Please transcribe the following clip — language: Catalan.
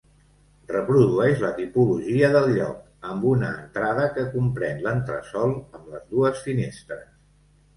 Reprodueix la tipologia del lloc, amb una entrada que comprén l'entresòl amb les dues finestres.